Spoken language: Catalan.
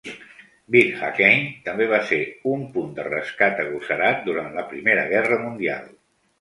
Bir Hakeim també va ser un punt de rescat agosarat durant la Primera Guerra Mundial.